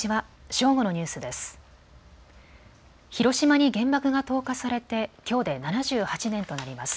正午のニュースです。